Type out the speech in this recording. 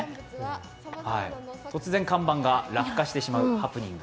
突然、看板が落下してしまうハプニング。